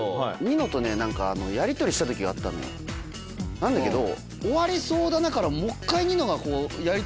なんだけど。